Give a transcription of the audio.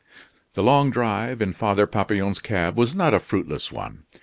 The long drive in Father Papillon's cab was not a fruitless one.